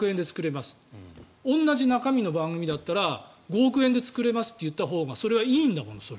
同じ中身の番組だったら５億円で作れますといったほうがそれはいいんだもん。